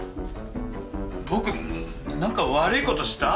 僕何か悪いことした？